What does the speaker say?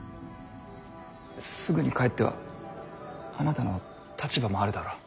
すぐに帰ってはあなたの立場もあるだろう。